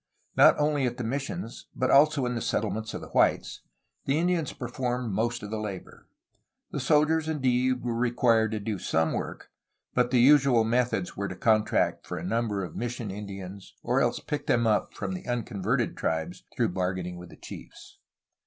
Not only at the missions, but also in the settle ments of the whites, the Indians performed most of the labor. The soldiers, indeed, were required to do some work, but the usual methods were to contract for a number of mis sion Indians or else to pick them up from the unconverted tribes through bargaining with the chiefs.